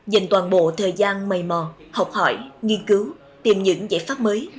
dành toàn bộ thời gian mây mòn học hỏi nghiên cứu tìm những giải pháp mới